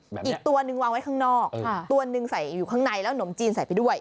อีกตัวหนึ่งวางไว้ข้างนอกค่ะตัวหนึ่งใส่อยู่ข้างในแล้วหนมจีนใส่ไปด้วย